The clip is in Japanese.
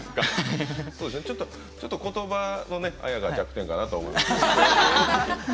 ちょっと、ことばのあやが弱点かなと。